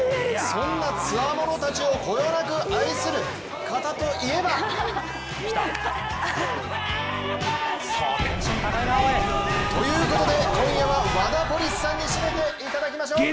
そんなつわものたちをこよなく愛する方といえばということで、今夜はワダポリスさんにしめていただきましょう。